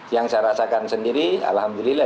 yang saya rasakan sendiri alhamdulillah